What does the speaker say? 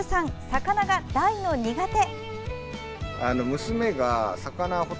魚が大の苦手。